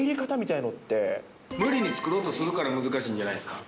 無理に作ろうとするから、難しいんじゃないですか。